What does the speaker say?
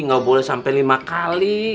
nggak boleh sampai lima kali